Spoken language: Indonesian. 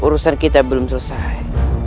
urusan kita belum selesai